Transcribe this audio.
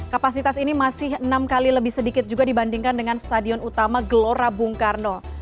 kapasitas ini masih enam kali lebih sedikit juga dibandingkan dengan stadion utama gelora bung karno